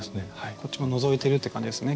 こっちものぞいてるって感じですね